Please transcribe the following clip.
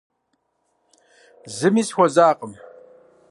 Зыми сыхуэзакъым.